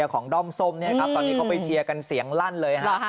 ของด้อมส้มตอนนี้เขาไปเชียร์กันเสียงลั่นเลยฮะ